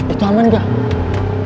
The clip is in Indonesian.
itu aman gak